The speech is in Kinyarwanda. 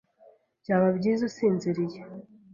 Byaba byiza usinziriye.